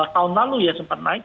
tahun lalu ya sempat naik